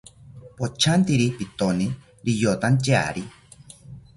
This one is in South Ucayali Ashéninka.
Pochantiri pitoni riyotantyari